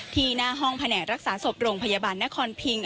หน้าห้องแผนกรักษาศพโรงพยาบาลนครพิง